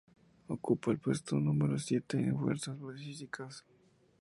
Ocupa el puesto número siete en fuerzas físicas.